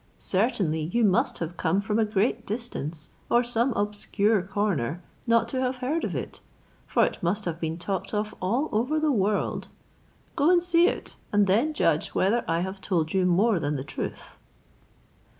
Certainly you must have come from a great distance, or some obscure corner, not to have heard of it, for it must have been talked of all over the world. Go and see it, and then judge whether I have told you more than the truth."